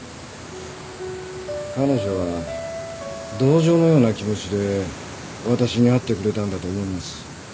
彼女は同情のような気持ちで私に会ってくれたんだと思います。